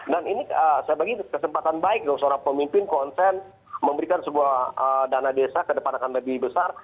dan ini saya bagi kesempatan baik dong seorang pemimpin konsen memberikan sebuah dana desa kedepan akan lebih besar